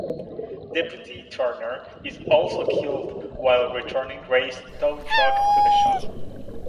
Deputy Turner is also killed while returning Ray's tow truck to the shop.